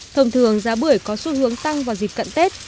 thông thường giá bưởi có xu hướng tăng vào dịp cận tết